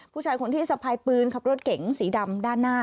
ผู้ชายคนที่สะพายปืนขับรถเก๋งสีดำด้านหน้า